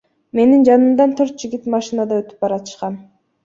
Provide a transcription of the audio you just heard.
Менин жанымдан төрт жигит машинада өтүп баратышкан.